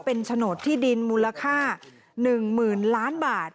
เป็นโฉนดที่ดินมูลค่า๑๐๐๐ล้านบาท